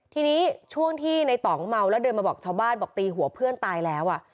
ทีนี้ช่วงที่ในต่องเมาแล้วเดินมาบอกชาวบ้านบอกตีหัวเพื่อนตายแล้ว